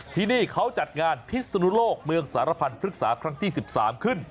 ที่นี่เขาจัดงานพิศนุโลกเมืองสารพันธ์พฤกษาครั้งที่๑๓ขึ้น